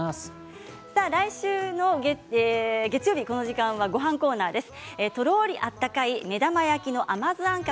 来週のこの時間はごはんコーナーです。